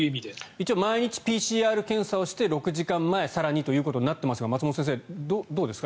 一応毎日ＰＣＲ検査をして６時間前更にということになっていますが松本先生どうですか？